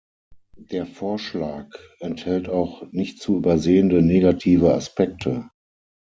Der Vorschlag enthält auch nicht zu übersehende negative Aspekte.